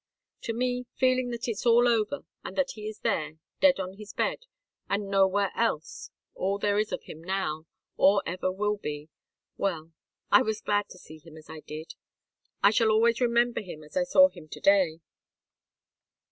To me feeling that it's all over, and that he is there, dead on his bed, and nowhere else, all there is of him now, or ever will be well, I was glad to see him as I did. I shall always remember him as I saw him to day.